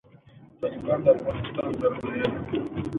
د المپیک کمیټه د لوبو ملاتړ کوي.